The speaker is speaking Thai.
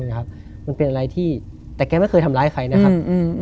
มันเป็นอะไรที่แต่แกไม่เคยทำร้ายใครนะครับ